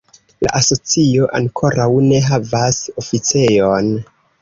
La asocio ankoraŭ ne havas oficejon.